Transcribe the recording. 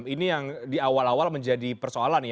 ini yang di awal awal menjadi persoalan ya